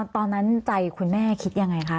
ตอนนั้นใจคุณแม่คิดยังไงคะ